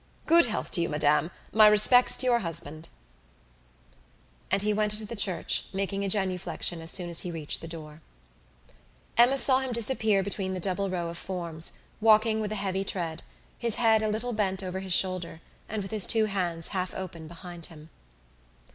Good health to you, madame; my respects to your husband." On the straight and narrow path. And he went into the church making a genuflexion as soon as he reached the door. Emma saw him disappear between the double row of forms, walking with a heavy tread, his head a little bent over his shoulder, and with his two hands half open behind him.